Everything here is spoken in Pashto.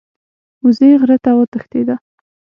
وزې غره ته وتښتیده.